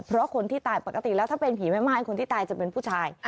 เพราะคนที่ตายปกติแล้วถ้าเป็นผีแม่ไม้คนที่ตายจะเป็นผู้ชาย